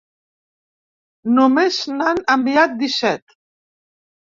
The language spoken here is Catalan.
Només n’han enviat disset.